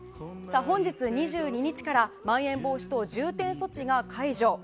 本日２２日から、まん延防止等重点措置が解除。